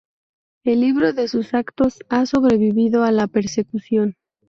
El libro de sus actos ha sobrevivido a la persecución.